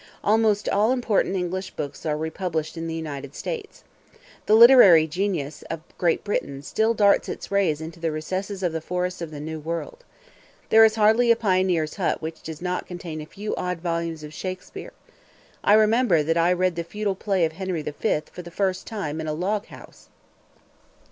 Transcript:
Almost all important English books are republished in the United States. The literary genius of Great Britain still darts its rays into the recesses of the forests of the New World. There is hardly a pioneer's hut which does not contain a few odd volumes of Shakespeare. I remember that I read the feudal play of Henry V for the first time in a loghouse.